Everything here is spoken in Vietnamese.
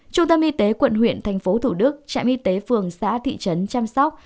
trung tâm y tế quận huyện tp thủ đức trạm y tế phường xã thị trấn chăm sóc